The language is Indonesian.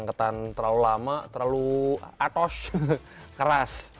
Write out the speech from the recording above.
ketan terlalu lama terlalu atos keras